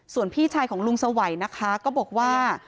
ส่วนพี่ชายของลุงสวัยนะคะก็บอกว่า